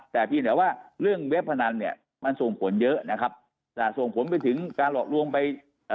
แต่เพียงแต่ว่าเรื่องเว็บพนันเนี่ยมันส่งผลเยอะนะครับจะส่งผลไปถึงการหลอกลวงไปเอ่อ